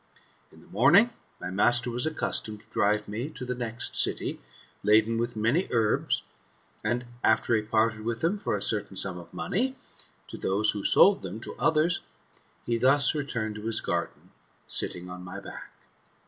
In the morning, my master was accustomed to drive me to the next city, laden with many herbs, and, after he parted with them for a certain sum of mone^ to those who sold them to others, he thus returned to his garden, sitting on my back.